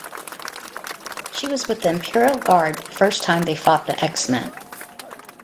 She was with the Imperial Guard the first time they fought the X-Men.